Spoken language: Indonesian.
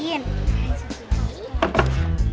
eh siapa ini